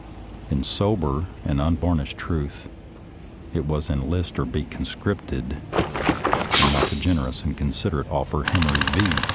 In sober and unvarnished truth, it was enlist or be conscripted, and not the generous and considerate offer Henry V.